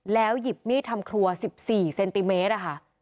หยิบมีดทำครัว๑๔เซนติเมตรอะค่ะ